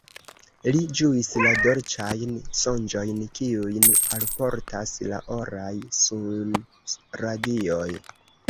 Li ĝuis la dolĉajn sonĝojn, kiujn alportas la oraj sunradioj.